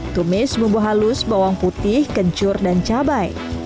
tumis bumbu halus bawang putih kencur dan cabai